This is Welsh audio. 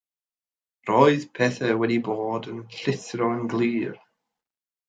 Roedd pethau wedi bod yn llithro yn glir.